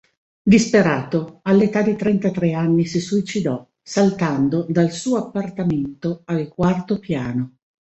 Disperato, all'età di trentatré anni si suicidò saltando dal suo appartamento al quarto piano.